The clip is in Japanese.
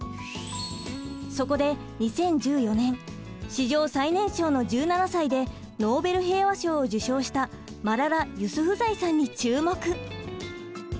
そこで２０１４年史上最年少の１７歳でノーベル平和賞を受賞したマララ・ユスフザイさんに注目。